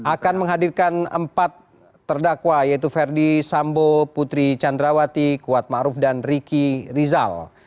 akan menghadirkan empat terdakwa yaitu verdi sambo putri candrawati kuatmaruf dan riki rizal